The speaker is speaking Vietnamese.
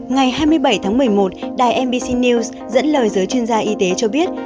ngày hai mươi bảy tháng một mươi một đài mbc news dẫn lời giới chuyên gia y tế cho biết